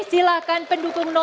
silakan pendukung dua satu